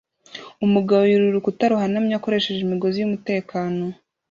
Umugabo yurira urukuta ruhanamye akoresheje imigozi yumutekano